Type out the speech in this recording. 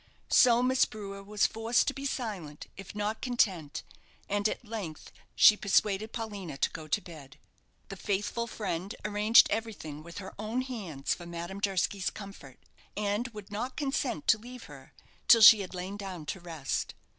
So Miss Brewer was forced to be silent, if not content, and at length she persuaded Paulina to go to bed. The faithful friend arranged everything with her own hands for Madame Durski's comfort, and would not consent to leave her till she had lain down to rest.